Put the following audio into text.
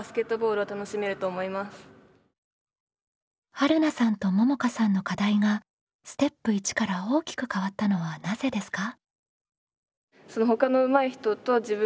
はるなさんとももかさんの課題がステップ１から大きく変わったのはなぜですか？